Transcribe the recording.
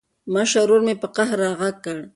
مشر ورور مې په قهر راغږ کړ.